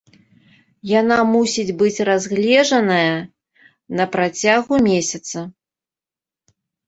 Яна мусіць быць разгледжаная на працягу месяца.